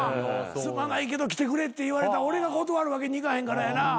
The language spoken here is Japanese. すまないけど来てくれって言われたら俺が断るわけにいかへんからやな。